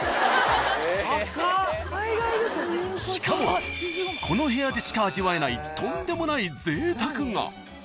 ［しかもこの部屋でしか味わえないとんでもないぜいたくが］